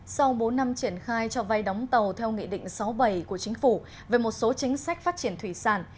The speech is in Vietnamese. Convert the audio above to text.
sau bốn năm triển khai cho vay đóng tàu theo nghị định sáu bảy của chính phủ về một số chính sách phát triển thủy sản